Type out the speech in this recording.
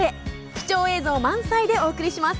貴重映像満載でお送りします。